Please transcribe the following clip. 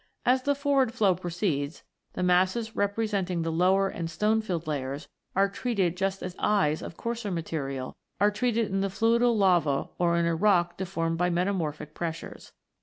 As the forward flow proceeds, the masses representing the lower and stone filled layers are treated just as "eyes" of coarser material are treated in a fluidal lava or in a rock deformed by metamorphic pressures.